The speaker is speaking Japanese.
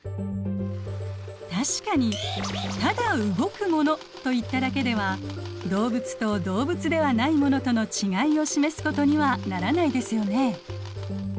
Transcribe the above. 確かにただ動くものといっただけでは動物と動物ではないものとのちがいを示すことにはならないですよね。